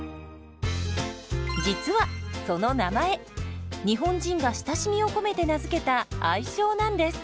実はその名前日本人が親しみを込めて名付けた愛称なんです。